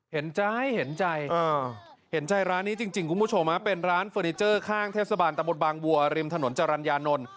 เห็นใจเห็นใจเห็นใจร้านนี้จริงคุณผู้ชมเป็นร้านเฟอร์นิเจอร์ข้างเทศบาลตะบนบางวัวริมถนนจรรยานนท์